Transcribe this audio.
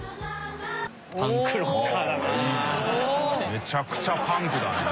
めちゃくちゃパンクだね。